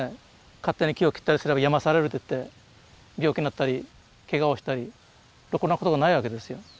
勝手に木を切ったりすればやまされると言って病気になったりけがをしたりろくなことがないわけですよ。